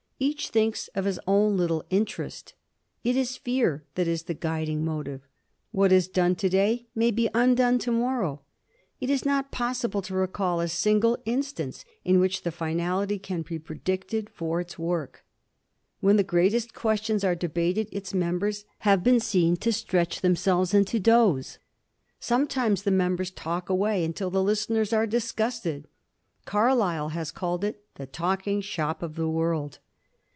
Each thinks of his own little interest. It is fear that is the guiding motive. What is done to day may be undone to morrow. It is not possible to recall a single instance in which the finality can be predicted for its work. When the greatest questions are debated its members have been seen to stretch themselves and to dose. Sometimes the members talk away until the listeners are disgusted. Carlyle has called it the "talking shop of the world."